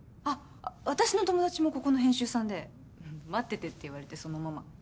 あっ私の友達もここの編集さんで待っててって言われてそのまま。